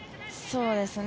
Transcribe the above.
そうですね。